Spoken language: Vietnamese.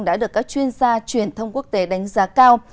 đã được các chuyên gia truyền thông quốc tế đánh giá cao